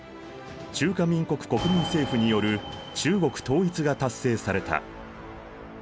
中華民国国民政府による中国統一が達成された。